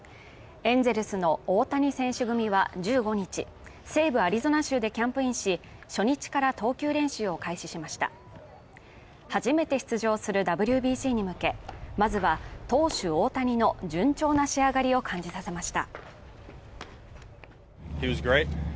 エンゼルスの大谷選手組は１５日西部アリゾナ州でキャンプインし初日から投球練習を開始しました初めて出場するＷＢＣに向けまずは投手大谷の順調な仕上がりを感じさせました